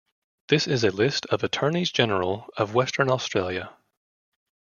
This is a list of Attorneys-General of Western Australia.